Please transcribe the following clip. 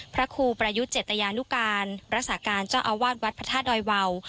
พระครูประยุทธ์เจตยานุการรักษาการเจ้าอาวาสวัดพระธาตุดอยวาว